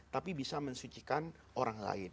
tapi bisa mensucikan orang lain